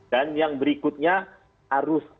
dan yang berikutnya harus